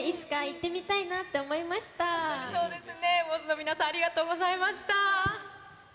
町の皆さん、ありがとうございました。